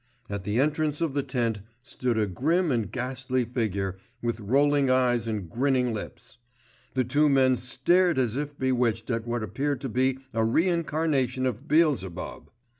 At the entrance of the tent stood a grim and ghastly figure, with rolling eyes and grinning lips. The two men stared as if bewitched at what appeared to be a reincarnation of Beelzebub.